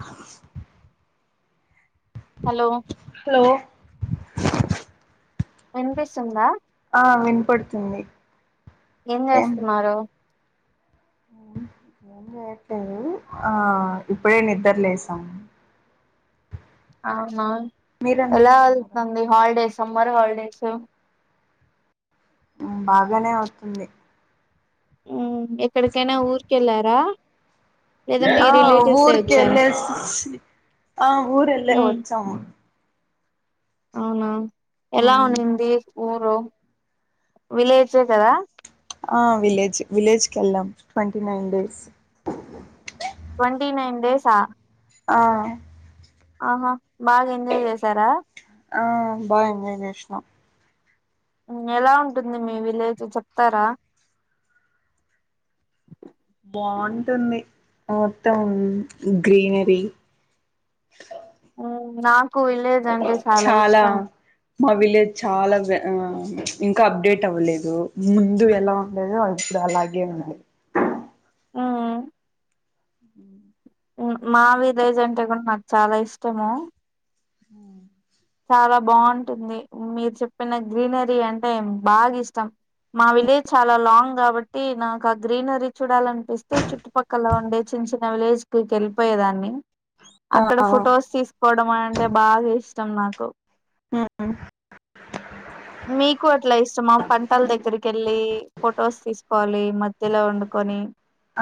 అ hello hello ఉచ్చు వినిపిస్తుందా ఆ వినపడుతుంది ఏం చేస్తున్నారు ఏం చేయట్లేదు ఆ ఇప్పుడే నిద్ర లేసాము అవునా మీరేం ఎలా చేస్తున్నారు ఎలుతుంది హాలిడేస్ సమ్మర్ హాలిడేసు మ్ బాగానే అవుతుంది మ్ ఎక్కడికైనా ఊరికి వెళ్ళారా ఆ ఊర్కెళ్లేసి ఆ ఊరెళ్ళే మ్మ్ వచ్చాము అవునా ఎలా ఉనింది ఊరు విలేజే కదా ఆ విలేజ్ విలేజ్ కి ఎళ్ళాం twenty nine days twenty nine డేసా ఆ ఆహా బాగా ఎంజాయ్ చేసారా ఆ బాగా ఎంజాయ్ చేసినాం మ్ ఎలా ఉంటుంది మీ విలేజు చెప్తారా బాగుంటుంది మొత్తం గ్రీనరీ నా చాలా మా విలేజ్ చాలా ఆ ఇంకా అప్డేట్ అవ్వలేదు ముందు ఎలా ఉండదో అ ఇప్పుడు అలాగే ఉంది ఉమ్ హ మా విలేజ్ అంటే కూడా నాకు చాలా ఇష్టము అఓ చాలా బాగుంటుంది మీరు చెప్పిన గ్రీనరీ అంటే బాగా ఇష్టం మా విలేజ్ చాలా లాంగ్ కాబట్టి నాకు ఆ గ్రీనరీ చూడాలనిపిస్తే చుట్టుపక్కల ఉండే చిన్న చిన్న విలేజ్ లకి వెళ్ళిపోయేదాన్ని ఆ అక్కడ ఫొటోస్ తీసుకోవడం అంటే బాగా ఇష్ట తునా కా ఆ మీకు అట్లా ఇష్టమా పంటల దగ్గరికి వెళ్ళి ఫొటోస్ తీసుకోవాలి మధ్యలో వండుకొని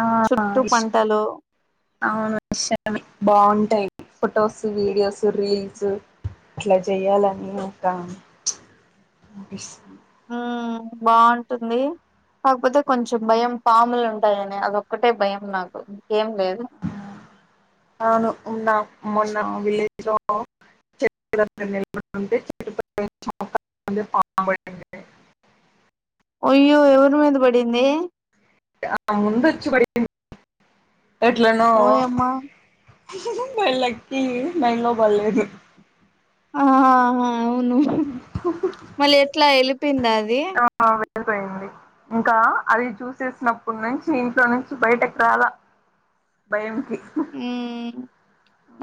ఆ చుట్టూ ఇ పంటలు అవును ఇష్ట బాగుంటాయి ఫొటోస్ వీడియోస్ రీల్స్ అట్లా చెయాలని ఒకం ఆషా బాగుంటుంది కాకపోతే కొంచెం భయం పాములు ఉంటాయని అదొక్కటే భయం నాకు ఇంకేం లేదు అవును ఉన్నా మొన్న విళ్లే్ [inaudible] అయ్యో ఎవరి మీద పడింది ఆ ముందొచ్చి పడింది ఎట్లా నో ఓయమ్మా బలకి మై లో బల్లేదు ఆహ అవును మళ్ళీ ఎట్లా వెలిపోయిందా అది అయిపోయింది ఇంకా అది చూసేసినప్పటి నుంచి ఇంట్లో నుంచి బయటకి రాల భయం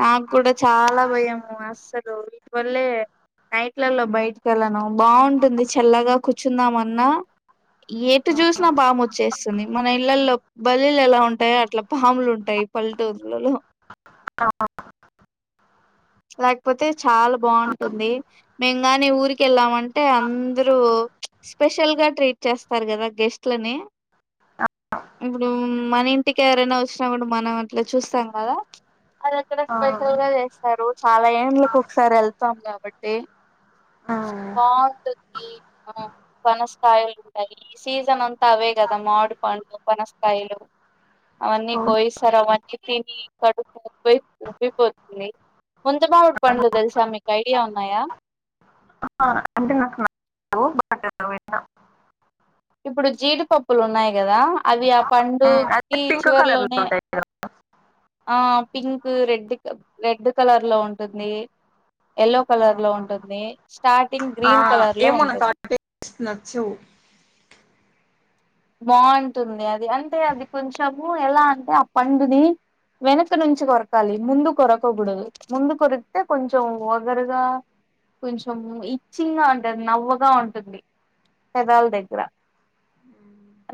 నాకు కూడా చాలా భయము అస్సలు వటివల్లే నైట్లలో బయటిక వెళ్ళలను బాగుంటుంది చల్లగా కూర్చుందాంన్నా ఎటు చూసినా బాముచ్చేస్తుంది మన ఇళ్లల్లో బ పల్లు ఎలా ఉంటాో అట్లా పాాములు ఉంటాయి [unintelligible] లేకపోతే చాలా బాగుంటుంది మెంగానీ ఊరిక వెళ్ామంటే అంటే అందరూ స్పెషల్ గా ట్రీట్ చేస్తారు కదా గెస్ట్లని ఇప్పుడు మన ఇంటికి ఎవరైనా వచ్చినా పుడు కూడా మనం అట్లా చూస్తాం కదా అది అక్కడ ఆ స్పెషల్ గా చేస్తారు చాలా ఏంలకి ఒకసారి వెళ్తాం గా కాబట్టి వాసకి ఆ పనస్కాయలు ఉంటాయి ఈ సీజన్ అంతా అవే కదా మాడి పండ్లు పనస్కాయలు అవన్నీ పోయిస్తారు అవన్నీ తిని కడుపు పోయి ఉబ్బిపోతుంది ముంతమావిడి పండ్లు తెలుసా మీకు ఐడియా ఉన్నాయా ఆ అంటే నాకు నచ్చవు బయట ఇప్పుడు జీడిపప్పులు ఉన్నాయి కదా అవి ఆ పండు పింక్ కలర్ లో ఉంటాయి ఆ పింక్ రెడ్ రెడ్ కలర్ లో ఉంటుంది ఎల్లో కలర్ లో ఉంటుంది. స్టార్టింగ్ ఆ గ్రీన్ కలర్ లో ఏమోనా ఉంటుంది టెస్ట్ నచ్చవు. బాంటుంది అది అంటే అది కొంచెము ఎలా అంటే ఆ పండుని వెనక నుంచి కొరకాలి ముందు కొరకకూడదు ముందు కొరికితే కొంచెం వగరుగా కొంచెం ఇచ్చింగా ఉంటుంది నవ్వగా ఉంటుంది పెదాల దగ్గర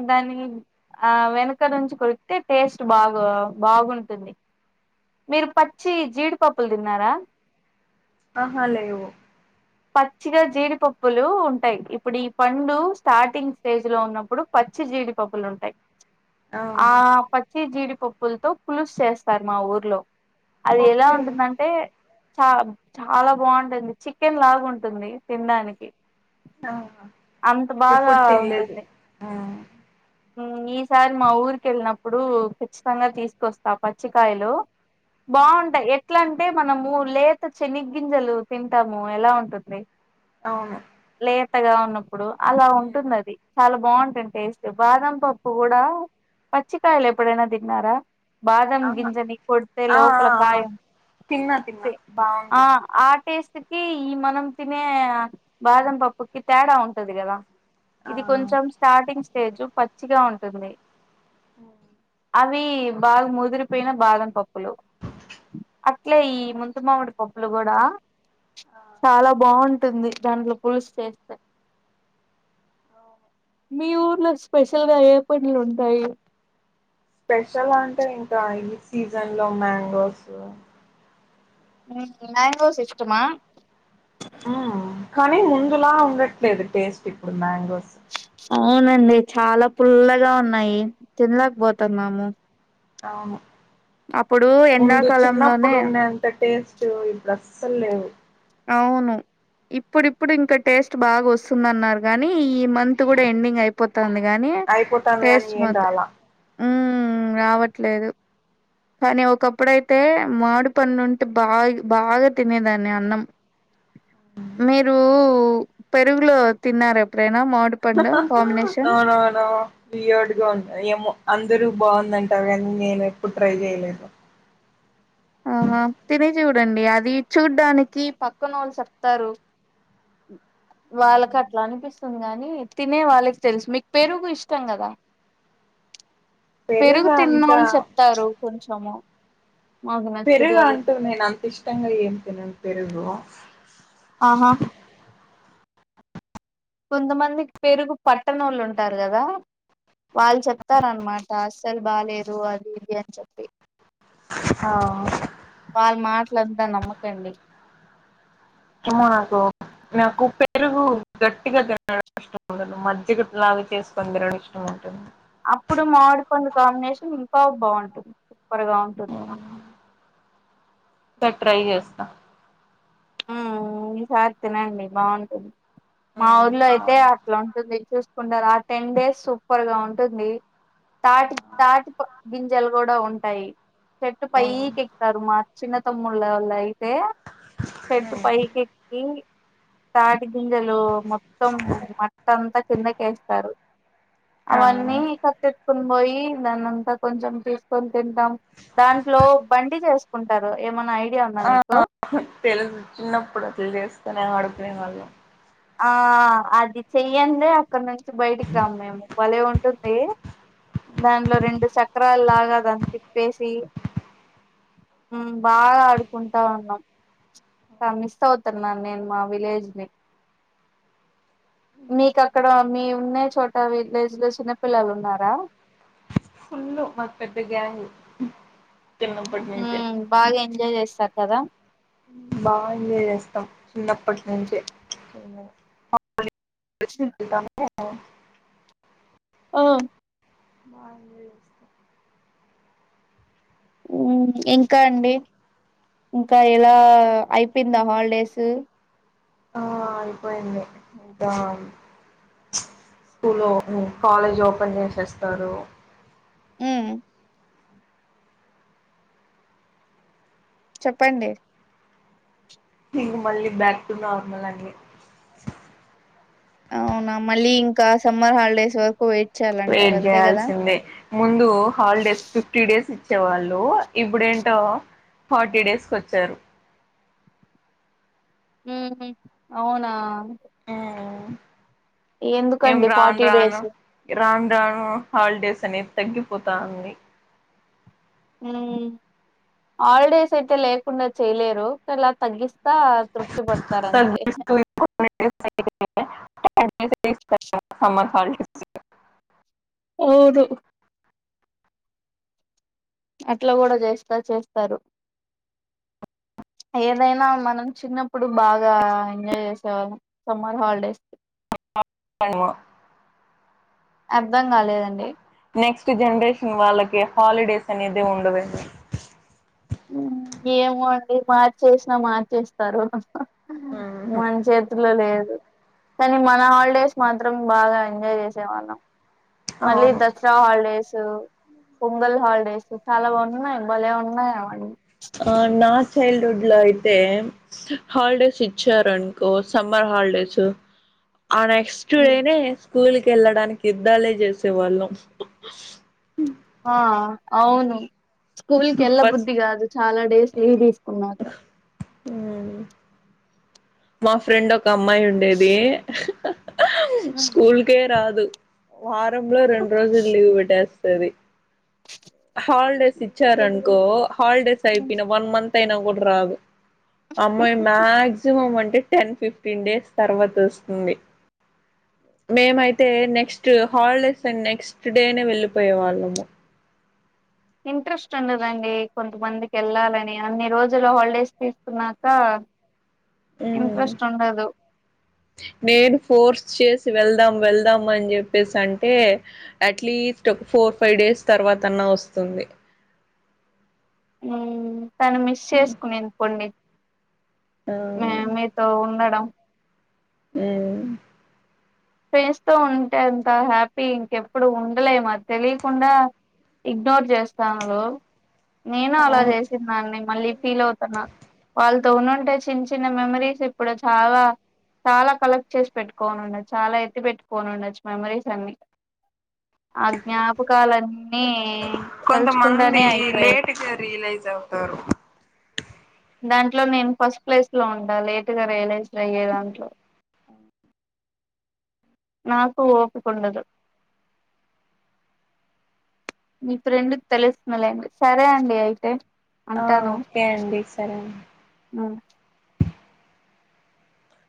దాన్ని ఆ వెనక నుంచి కొరికితే టేస్ట్ బాగా బాగుంటుంది మీరు పచ్చి జీడిపప్పులు తిన్నారా ఆహ లేవు పచ్చిగా జీడిపప్పులు ఉంటాయి ఇప్పుడు ఈ పండు స్టార్టింగ్ స్టేజ్ లో ఉన్నప్పుడు పచ్చి జీడి పప్పులు ఉంటాయి. ఆ పచ్చి జీడి పప్పులతో పులుసు చేస్తారు మా ఊర్లో అది ఎలా ఓకే ఉంటుందంటే చా చాలా బాగుంటుంది చికెన్ లాగా ఉంటుంది తినడానికి ఆ అంత బాగా ఉంటుంది ఆ ఈసారి మా ఊరికి వెళ్ళినప్పుడు ఖచ్చితంగా తీసుకొస్తా పచ్చి కాయలు బాగుంటాయి ఎట్లా అంటే మనము లేత చనిగింజలు తింటాము ఎలా ఉంటుంది అవును మెత్తగా ఉన్న ఇప్పుడు అలా ఉంటుంది అది చాలా బావుం టేస్ట్ బాదం పప్పు కూడా పచ్చికాయలు ఎప్పుడైనా తిన్నారా బాదం ఆహా గింజని కొడితే ఆ ఆ లోపల ఆ కాయ తిన్నా తిన్నా ది ఆ బాగుంటుంది ఆ టేస్ట్ కి ఈ మనం తినే బాదం పప్పుకి తేడా ఉంటది కదా ఆ ఇది కొంచెం స్టార్టింగ్ స్టేజు పచ్చిగా ఉంటుంది. ఆ అవి బాగా ముదిరిపోయిన బాదం పప్పులు అట్లే ఈ ముంతమామిడి పప్పులు కూడా చాలా బాగుంట టుంది దాన్తో పులుసు చేస్తే మీ ఊర్లో స్పెషల్ గా ఏ పనులు ఉంటాయి స్పెషల్ అంటే ఇంకా ఈ సీజన్ లో మ్యాంగోస్ హ్మ్ మ్యాంగోస్ ఇష్టమా కానీ ముందులా ఉండట్లేదు టేస్ట్ ఇప్పుడు మ్యాంగోస్ అవునండి చాల పుల్లగా ఉన్నాయి. తినలేకపోతున్నాము అవును అప్పుడు ముందు చిన్నప్పుడు ఎండాకాలంలోనే ఉండేంత టేస్ట్ ఇప్పుడ సల్ లేవు అవును ఇప్పుడిప్పుడు ఇంకా టేస్ట్ బాగా వస్తుందన్నారు గానీ, ఈ మంత్ కూడ ఎండింగ్ అయిపోతు తుంది కాని అయిపోతాంది కానీ టేస్ట్ మా ఏం రాలా మ్మ్ రావట్లేదు. కానీ ఒకప్పుడైతే మామిడి పన్ను ఉంటే బాగి బాగ తినేదాన్ని అన్నం. మీరూ పెరుగులో తిన్నార ఎ no no no we heard don't ఏమో అందరు బాగుదంటరు కాని నేను ఎప్పుడు ట్రై చేయలేదు ఆ హా తిని చూడండి అది చూడ్డానికి పక్కనోళ్ళు చెప్తారు. వాళ్ళకి అట్లా అనిపిస్తుంది గాని, తినే వాళ్ళకి తెలుసు మీకు పెరుగు ఇష్టం కదా పెరుగు తిన్నోళ్ళు చెప్తారు కొంచము పెరుగు అంటూ నేను అంత ఇష్టంగా ఏం తినను పెరుగు ఆహా కొంతమందికి పెరుగు పట్టన్నోళ్ళు ఉంటారు కదా, వాళ్ళు చెప్తారన్నమాట అస్సలు బాలేేదు అది ఇది అని చెప్పి. ఆ వాళ్ళ్ మాటలంతా నమ్మకండి ఏమో నాకు నాకు పెరుగు గట్టిగా తినడం ఇష్టం ఉండదు. మజ్జిగ లాగా చేసుకొని తినడం ఇష్టం ఉంటుంది అప్పుడు మామిడి పండు కాంబినేషన్ ఇంకా బాగుంటుంది పర్ గా ఉంటుంది క ట్రై చేస్త మ్మ్ ఈసారి తినండి బాగుంటుంది మా ఊర్లో అయితే అట్ల ఉంటుంది చూసుకుంటారు ఆ టెన్ డేస్ సూపర్ గా ఉంటుంది తాట్ తాటితో గింజలు కూడ ఉంటాయి చెట్ పైకెక్కుతారు మా చిన్న తమ్ముళ్ళ వాళ్ళు అయితే చెట్టు పైకెక్కీ తాటి బుం జలు మొత్తం మట్ట అంతా కిందకేస్తారు అవన్నీ ఆ [unintelligible] తీసుకుని పోయి దానింతా కొంచెం తీసుకొని తింటాం దాంట్లో బండి తేస్తాం కుంటారు ఏమైన్నా ఆ తెలుసు చిన్నప్పుడు అట్లా చేసుకునే ఆడుకునే వాళ్ళం ఆ అది చెయ్యండి అక్కడ నుంచి బయటికి రాం మేము భలే ఉ ఉంటుంది దానిలో రెండు చక్రాలు లాగా దాన్ని తిప్పేసి బాగా ఆడుకుంటా ఉన్నాం మిస్ అవుతున్నాను నేను మా విలేజ్ ని మీకు అక్కడ మీ ఉన్న చోట విలేజ్ లో చిన్నపిల్లలు ఉన్నారా మా పెద్దగ్యాంగ్ హ బాగా ఎంజాయ్ చేస్తారు కదా బాగా ఎంజాయ్ చేస్తాం చిన్నప్పటి నుంచిే క్ వెళ్తాము ఓ ఆ బ వ వస్త ఇంకా అండి ఇంకా ఎలా అయిపోయిందా హాలిడేస్ ఆ అయిపోయింది ఇంకా స్కూల్ కాలేజ్ ఓపెన్ చేసేస్తారు ఉమ్ చెప్పండి కింగ్ మళ్ళీ బ్యాక్ టు నార్మల్ అండి అవునా మళ్ళీ ఇంకా సమ్మర్ హాలిడేస్ వరకు వెట్ వెయిట్ చేయాల్సిందే ముందు హాలిడేస్ ఫిఫ్టీ డేస్ వచ్చేవాళ్ళు ఇప్పుడేంటో ఫార్టీ డేస్ క్ వచ్చారు ఉమ్ హు అవునా మ్మ్ ఏం ఎందుకండి రాను ఫార్టీ రాను డేస్ రాన్ రాను హాలిడేస్ అని తగ్గిపోతా అంది ఉమ్ హాలిడేస్ అయితే లేకుండా చేయలేరు ఇలా తగ్గిస్తే అంత తృప్తి పడతారంతే మ హ అవ్వదు అట్లా కూడా చేస్తా చేస్తారు ఏదైనా మనం చిన్నప్పుడు బాగా ఎంజాయ్ చేసేవాళ్ళం సమ్మర్ హాలిడేస్ కి అనివా అర్ధం కాలేదండి నెక్స్ట్ జనరేషన్ వాళ్ళకి హాలిడేస్ అనేది ఉండదు ఏమో అండి మార్చేసినా మార్చేస్తారు మన చేతులో లేదు కానీ మన హాలిడేస్ మాత్రం బాగా ఎంజాయ్ చేసేవాళ్ళం మళ్ళీ అవును దసరా హాలిడేస్ పొంగల్ హాలిడేస్ చాలా బాగున్నాయి బలే ఉన్నాయా ఆ నా చైల్డ్హుడ్ లో అయితే హాలిడేస్ ఇచ్చారనుకో సమ్మర్ హాలిడేసు ఆ నెక్స్ట్ డేనే స్కూల్ కెళ్ళడానికి యుద్దాలే చేసే వాళ్ళం ఆ అవును స్కూల్ కెళ్ల ఫస్ట్ బుద్ధి కాదు చాలా డేస్ లీవ్ తీసుకున్నాక మ్ మా ఫ్రెండ్ ఒక్ క అమ్మాయి ఉండేది స్కూల్ కే రాద్ వా రంలో రెండు రోజులు లీవ్ పెట్టేస్ సరి హాలిడేస్ ఇచ్చారనుకో హాలిడేస్ అయిపెన వన్ మంత్ తైనం కుడ రాదు అమ్మయి maximum and ten fifteen days తర్వాత వస్తుంది మేమైతే నెక్స్ట్ హాలిడేస్ అండ్ నెక్స్ట్ డేనే వెళ్ళిపోయే వాళ్ళము. ఇంట్రెస్ట్ ఉండదండి కొంతమందికి ఎళ్ళాలని అన్ని రోజులు హాలిడేస్ తీసుకున్నాక హ్మ్ ఇంట్రెస్ట్ ఉండదు నేను ఫోర్స్ చేస్ వెళ్దాం వెళ్దాం అని చెప్పేసి అంటే అట్లీస్ట్ ఒక ఫోర్ ఫైవ్ డేస్ తర్వాత అన్నా వస్తుంది. హ్మ్ తను మిస్ చేసుకునేంది పొండి ఆ మే మీతో ఉండడం హ్మ్ ఫ్రెండ్స్ తో ఉంటే అంత హ్యాపీ ఇంకెప్పుడు ఉండలేం అద్ తెలియకుండా ఇగ్నోర్ చేస్తాను నేను అలా అవును చేసిన్నా అండి మళ్ళీ ఫీల్ అవుతున్న వాళ్ళతో ఉన్నుంటే చిన్న చిన్న మెమరీస్ ఇప్పుడు చాలా చాలా కలెక్ట్ చేసి పెట్టుకోని ఉన్నది. చాలా ఎత్తి పెట్టుకోని ఉండచ్చు మెమరీస్ అన్ని ఆ జ్ఞాపకాలన్నీ తలుచుకుంటానే కొంతమంది అయిపోయేది లేట్గా రియలైజ్ అవుతారు దాంట్లో నేను ఫస్ట్ ప్లేస్ లో ఉంటా లేటుగా రియలైజ్ అయ్యే దాంట్లో నాకు ఓపికుండదు. మీ ఫ్రెండ్ తెలుస్తుంది లేండి సరే అండి అయితే ఆ ఉంటాను ఓకే అండి సరేం ఉమ్.